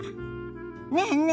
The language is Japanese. ねえねえ